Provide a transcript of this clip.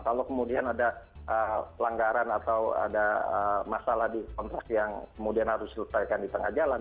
kalau kemudian ada pelanggaran atau ada masalah di kontrak yang kemudian harus diselesaikan di tengah jalan